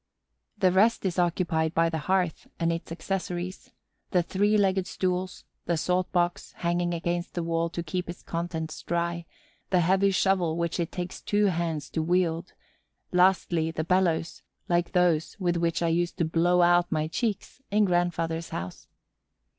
The rest is occupied by the hearth and its accessories: the three legged stools; the salt box, hanging against the wall to keep its contents dry; the heavy shovel which it takes two hands to wield; lastly, the bellows like those with which I used to blow out my cheeks in grandfather's house.